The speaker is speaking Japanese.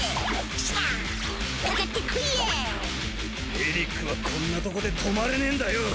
エリックはこんなとこで止まれねぇんだよ！